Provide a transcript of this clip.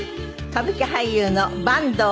歌舞伎俳優の坂東